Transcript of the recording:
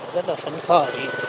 rất là phấn khởi